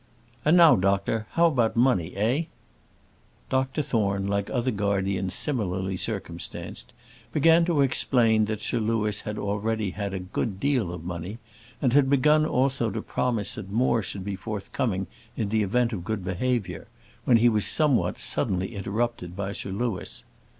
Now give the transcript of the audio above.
"And now, doctor, how about money? Eh?" Doctor Thorne, like other guardians similarly circumstanced, began to explain that Sir Louis had already had a good deal of money, and had begun also to promise that more should be forthcoming in the event of good behaviour, when he was somewhat suddenly interrupted by Sir Louis.